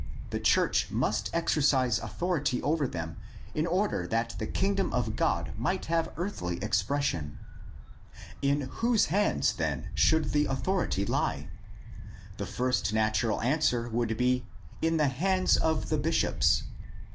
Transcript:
The church must exercise authority over them in order that the Kingdom of God might have earthly expression. In whose hands then should the authority lie? The first natural answer would be: In the hands of the bishops.